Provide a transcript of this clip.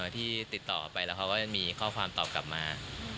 ที่ติดต่อไปแล้วเขาก็มีข้อความตอบกลับมา